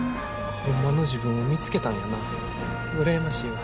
ホンマの自分を見つけたんやな羨ましいわ。